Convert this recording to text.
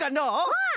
うん！